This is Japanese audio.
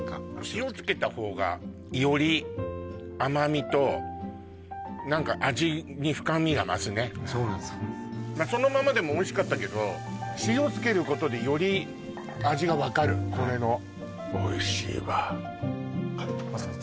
塩つけた方がより甘味と何か味に深みが増すねそのままでもおいしかったけど塩をつけることでより味が分かるこれのおいしいわマツコさん